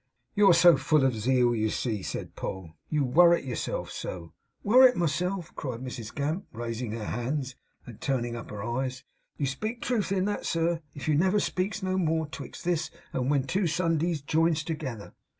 'You're so full of zeal, you see!' said Poll. 'You worrit yourself so.' 'Worrit myself!' cried Mrs Gamp, raising her hands and turning up her eyes. 'You speak truth in that, sir, if you never speaks no more 'twixt this and when two Sundays jines together.